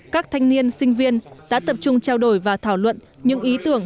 các thanh niên sinh viên đã tập trung trao đổi và thảo luận những ý tưởng